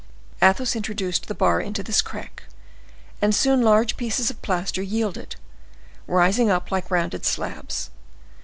Athos introduced the bar into this crack, and soon large pieces of plaster yielded, rising up like rounded slabs.